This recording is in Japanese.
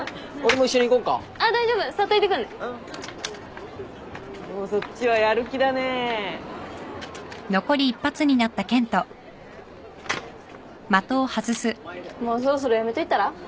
もうそろそろやめといたら？